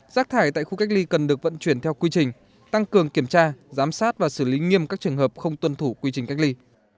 rác thải tại khu cách ly cần được vận chuyển theo quy trình tăng cường kiểm tra giám sát và xử lý nghiêm các trường hợp không tuân thủ quy trình cách ly